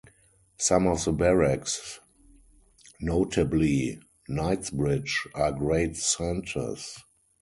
Some of the barracks, notably Knightsbridge, are great centres.